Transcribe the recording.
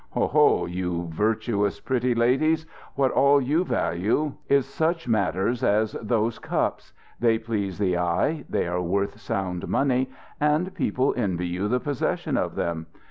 "Oho, you virtuous pretty ladies! what all you value is such matters as those cups: they please the eye, they are worth sound money, and people envy you the possession of them.